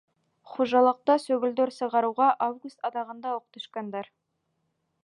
Хужалыҡта сөгөлдөр сығарыуға август аҙағында уҡ төшкәндәр.